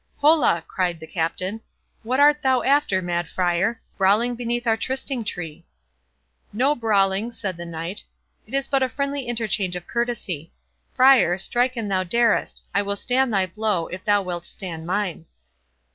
"Hola!" cried the Captain, "what art thou after, mad Friar? brawling beneath our Trysting tree?" "No brawling," said the Knight, "it is but a friendly interchange of courtesy.—Friar, strike an thou darest—I will stand thy blow, if thou wilt stand mine."